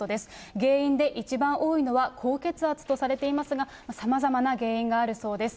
原因で一番多いのは高血圧とされていますが、さまざまな原因があるそうです。